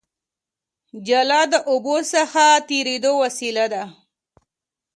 جاله د اوبو څخه تېرېدو وسیله ده